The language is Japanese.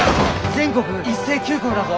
全国一斉休校だぞ。